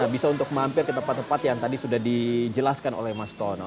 bisa untuk mampir ke tempat tempat yang tadi sudah dijelaskan oleh mas tono